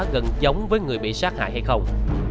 gần giống với người bị sát hại hay không